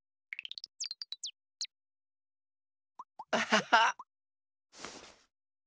アハハッ。